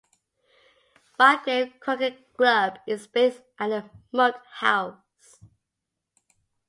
Bygrave Croquet Club is based at The Moat House.